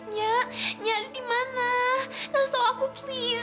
nya nya ada di mana kasih tau aku please